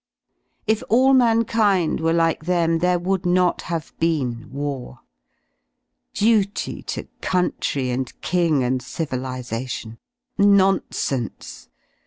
If all mankind were like them there would not have been war. Duty to country and King and civilisation! Nonsense